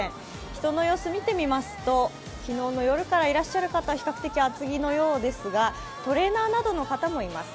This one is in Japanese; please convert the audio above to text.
人の様子みてみますと昨日の夜からいらっしゃる方、比較的、厚着のようですがトレーナーなどの方もいます。